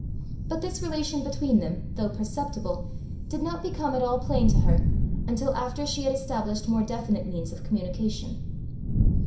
But this relation between them, though perceptible, did not become at all plain to her until after she had established more definite means of communication.